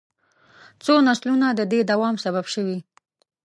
څو نسلونه د دې دوام سبب شوي.